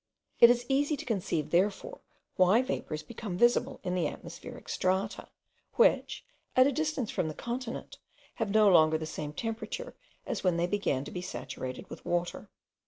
It is easy to conceive, therefore, why vapours become visible in the atmospherical strata, which, at a distance from the continent, have no longer the same temperature as when they began to be saturated with water.